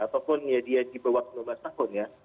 ataupun ya dia di bawah sembilan belas tahun ya